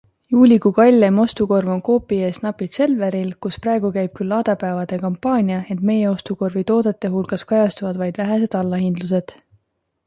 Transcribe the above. Juulikuu kalleim ostukorv on Coopi ees napilt Selveril, kus praegu käib küll Laadapäevade kampaania, ent meie ostukorvi toodete hulgas kajastuvad vaid vähesed allahindlused.